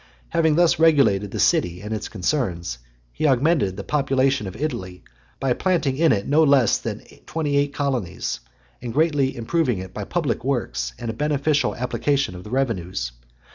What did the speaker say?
(109) XLVI. Having thus regulated the city and its concerns, he augmented the population of Italy by planting in it no less than twenty eight colonies , and greatly improved it by public works, and a beneficial application of the revenues.